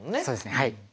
そうですねはい。